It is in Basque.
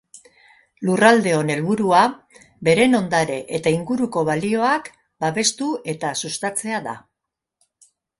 Lurraldeon helburua beren ondare eta inguruko balioak babestu eta sustatzea da.